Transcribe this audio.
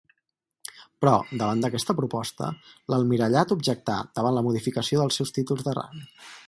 Però, davant d'aquesta proposta, l'Almirallat objectà davant la modificació dels seus títols de rang.